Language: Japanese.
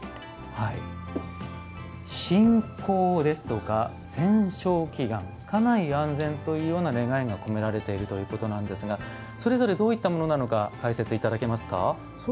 信仰ですとか戦勝祈願家内安全というような願いが込められているということなんですがそれぞれ、どういったものなのか解説いただけますか？